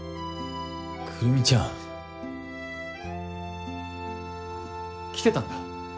くるみちゃん。来てたんだ。